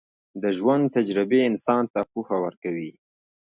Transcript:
د ژوند تجربې انسان ته پوهه ورکوي.